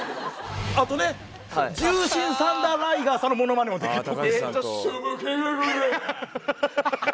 あとね獣神サンダー・ライガーさんのものまねもできる。